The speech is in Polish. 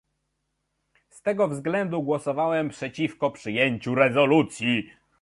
Z tego względu głosowałem przeciwko przyjęciu rezolucji